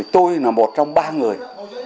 tôi là một trong ba người